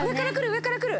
上から来る！